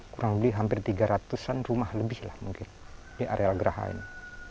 kurang lebih hampir tiga ratus an rumah lebih lah mungkin di area geraha ini